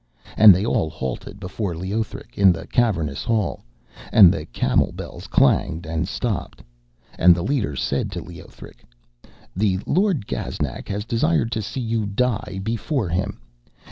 And they all halted before Leothric in the cavernous hall, and the camel bells clanged and stopped. And the leader said to Leothric: 'The Lord Gaznak has desired to see you die before him.